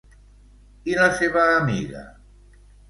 I la seva amiga?